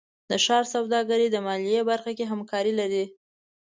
د ښار سوداګرۍ د مالیې برخه کې همکاري لري.